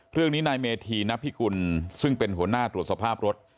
เพลือกนี้ในเมธีณพิกุลซึ่งเป็นหัวหน้าตรวจสภาพรถ